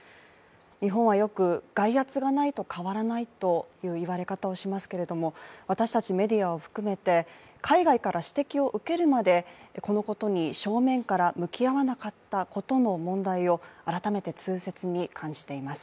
日本はよく、外圧がないと変わらないという言われ方をしますけれども私たちメディアを含めて海外から指摘を受けるまでこのことに正面から向き合わなかったことの問題を改めて痛切に感じています。